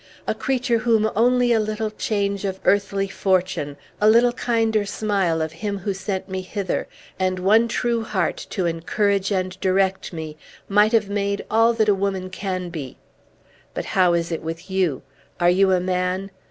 A creature whom only a little change of earthly fortune, a little kinder smile of Him who sent me hither, and one true heart to encourage and direct me, might have made all that a woman can be! But how is it with you? Are you a man?